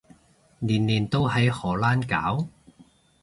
年年都喺荷蘭搞？